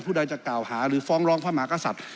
ใดจะกล่าวหาหรือฟ้องร้องพระมหากษัตริย์